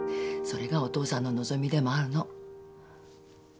それがお父さんの望みでもあるの。